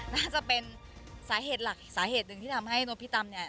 น่าจะเป็นสาเหตุหลักอีกสาเหตุหนึ่งที่ทำให้นกพิตำเนี่ย